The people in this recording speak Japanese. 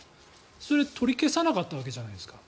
それ、取り消さなかったわけじゃないですか